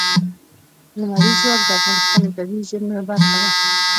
لمریز ځواک د افغانستان د طبیعي زیرمو برخه ده.